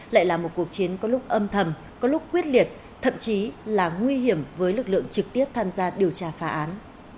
lại là một cuộc chiến có lúc âm thầm có lúc quyết liệt thậm chí là nguy hiểm với lực lượng trực tiếp tham gia điều tra phá án